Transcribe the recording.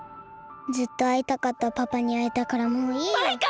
ずっとあいたかったパパにあえたからもういいよ。マイカ！